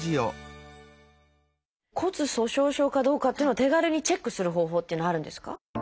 骨粗しょう症かどうかっていうのは手軽にチェックする方法っていうのはあるんですか？